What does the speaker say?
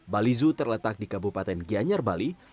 bali zoo terletak di kabupaten gianyar bali